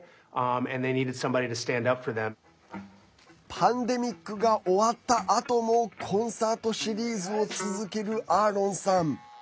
パンデミックが終わったあともコンサートシリーズを続けるアーロンさん。